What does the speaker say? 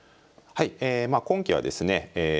はいえまあ今期はですね